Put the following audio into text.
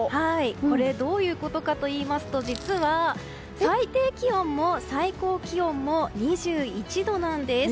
これ、どういうことかといいますと、実は最低気温も最高気温も２１度なんです。